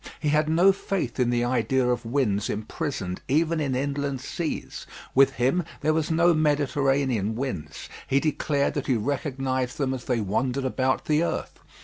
He had no faith in the idea of winds imprisoned even in inland seas. With him there were no Mediterranean winds; he declared that he recognised them as they wandered about the earth.